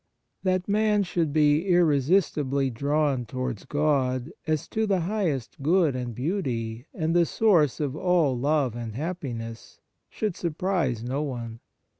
That man should be irresistibly drawn towards God, as to the highest Good and Beauty, and the Source of all love and happiness, should surprise no one.